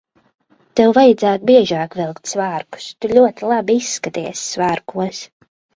Tev vajadzētu biežāk vilkt svārkus. Tu ļoti labi izskaties svārkos.